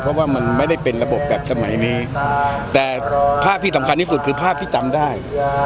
เพราะว่ามันไม่ได้เป็นระบบแบบสมัยนี้แต่ภาพที่สำคัญที่สุดคือภาพที่จำได้